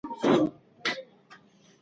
پور ورکوونکي ته مهلت ورکړئ.